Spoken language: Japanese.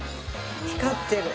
光ってる。